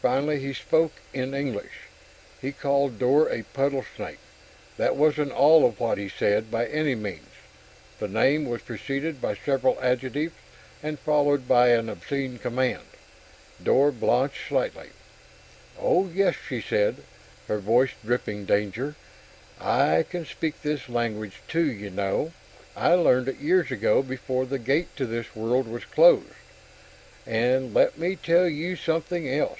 Finally he spoke, in English. He called Dor a puddle snake. That wasn't all of what he said, by any means; the name was preceded by several adjectives and followed by an obscene command. Dor blanched slightly. "Oh, yes?" she said, her voice dripping danger. "I can speak this language too, you know I learned it years ago, before the gate to this world was closed! And let me tell you something else...."